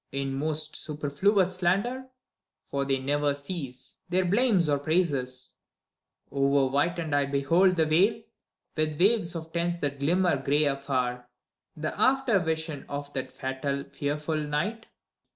In most superfluous slander — for they never cease Their blame or praises ... Over whitened I behold The vale, with waves of tents that glimmer gray afar, The after vision of that fatal, fearful night.